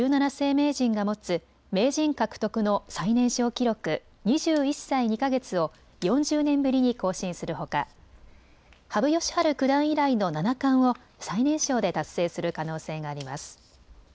名人が持つ名人獲得の最年少記録２１歳２か月を４０年ぶりに更新するほか羽生善治九段以来の七冠を最年少で達成する可能性があります。